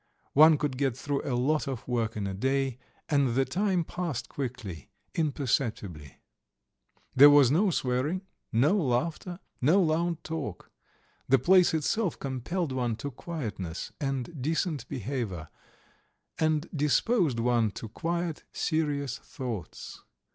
One could get through a lot of work in a day, and the time passed quickly, imperceptibly. There was no swearing, no laughter, no loud talk. The place itself compelled one to quietness and decent behaviour, and disposed one to quiet, serious thoughts.